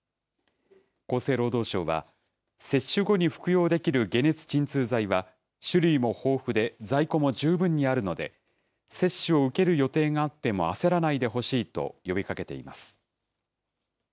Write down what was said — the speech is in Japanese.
厚生労働省は、接種後に服用できる解熱鎮痛剤は、種類も豊富で在庫も十分にあるので、接種を受ける予定があっても焦らないでほしいと呼びかけています。